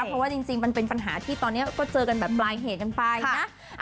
เพราะว่าจริงมันเป็นปัญหาที่ตอนนี้ก็เจอกันแบบปลายเหตุกันไปนะ